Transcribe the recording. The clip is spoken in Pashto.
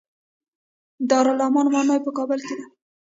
د دارالامان ماڼۍ په کابل کې ده